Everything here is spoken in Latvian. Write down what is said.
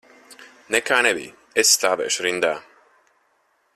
Nekā nebija, es stāvēšu rindā.